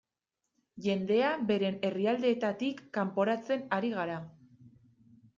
Jendea beren herrialdeetatik kanporatzen ari gara.